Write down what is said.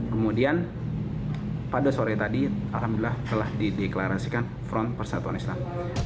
kemudian pada sore tadi alhamdulillah telah dideklarasikan front persatuan islam